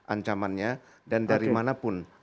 ancamannya dan dari manapun